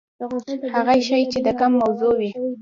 هغه شی چي د حکم موضوع وي.؟